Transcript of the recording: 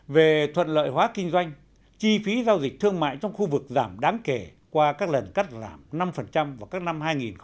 về thuận lợi hóa kinh doanh chi phí giao dịch thương mại trong khu vực giảm đáng kể qua các lần cắt giảm năm vào các năm hai nghìn một mươi bảy